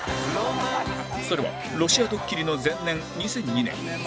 それはロシアドッキリの前年２００２年